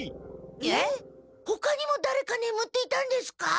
えっ？ほかにもだれかねむっていたんですか？